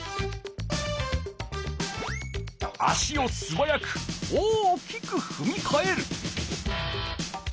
足をすばやく大きくふみかえる。